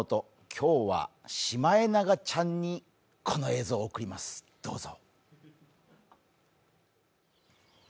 今日はシマエナガちゃんに、この映像を贈ります、どうぞ。